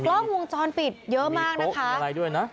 กล้องวงจรปิดเยอะมากนะคะ